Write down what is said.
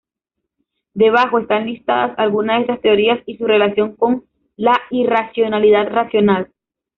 Debajo están listadas algunas de estas teorías y su relación con la irracionalidad racional.